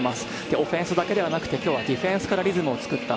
オフェンスだけではなくディフェンスからリズムを作った。